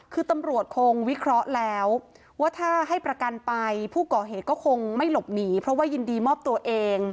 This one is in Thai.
คือตำรวจคงวิเคราะห์แล้วว่าถ้าให้ประกันไปผู้ก่อเหตุก็คงไม่หลบหนีเพราะว่ายินดีมอบตัวเอง